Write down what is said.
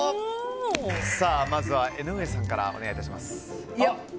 まずは江上さんからお願いします。